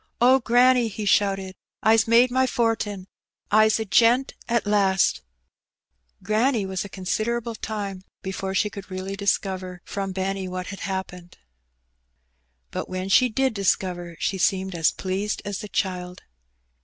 ''Oh, granny," he shouted, "Ps made my fortin! Fs a gent at last !'^ Granny was a considerable time before she could really discover firom Benny what had happened; but when she did discover, she seemed as pleased as the child.